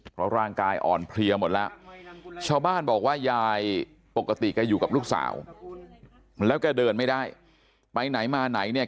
เพราะร่างกายอ่อนเพลียหมดแล้วชาวบ้านบอกว่ายายปกติแกอยู่กับลูกสาวแล้วแกเดินไม่ได้ไปไหนมาไหนเนี่ย